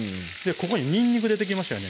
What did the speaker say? ここににんにく出てきましたよね